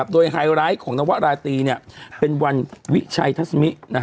โดยไฮไลท์ของนวราตรีเป็นวันวิชัยทัศมิ